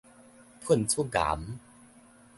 噴出岩